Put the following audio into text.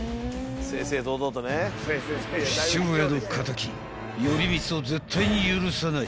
［父親の敵頼光を絶対に許さない］